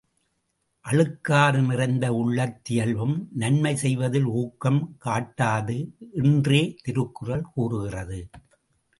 அழுக்காறு நிறைந்த உள்ளத்தியல்பும், நன்மை செய்வதில் ஊக்கம் காட்டாது என்றே திருக்குறள் கூறுகிறது.